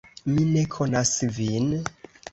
"Mi ne konas vin."